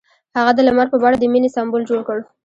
هغه د لمر په بڼه د مینې سمبول جوړ کړ.